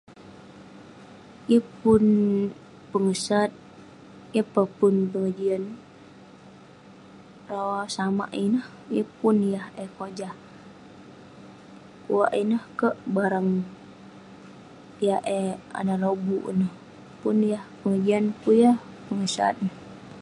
yeng pun pengesat yeng peh pun pengejian rawah samak ineh yeng pun yah eh kojah pekuak ineh kerk barang yah eh ane lobuk ineh pun yah pengejian neh pun yah pengesat neh